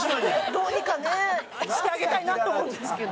どうにかねしてあげたいなと思うんですけど。